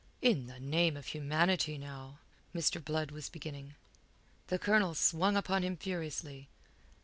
"In the name of humanity, now...." Mr. Blood was beginning. The Colonel swung upon him furiously.